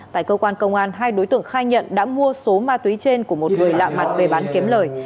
tại cơ quan công an hai đối tượng khai nhận đã mua số ma túy trên của một người lạ mặt về bán kiếm lời